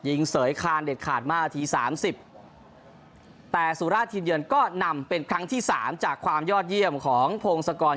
ยิงเสยคานเหล็ดขาดมา๕นาที๓๐แต่สุราชธีมเยือนก็นำให้เป็นครั้งที่๓จากความยอดเยี่ยมของโพงสกร